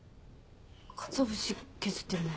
かつお節削ってるね。